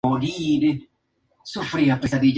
Fue elegido para ser parte del consejo del National Trust.